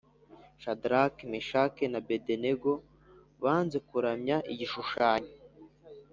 Shadaraki, Meshaki na Abedenego banze kuramya igishushanyo